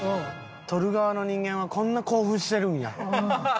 撮る側の人間はこんな興奮してるんや。